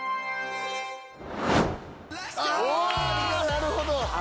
なるほど。